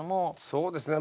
そうですね